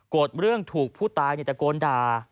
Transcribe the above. โกรธเรื่องถูกผู้ตายเนี่ยแต่โกรธดา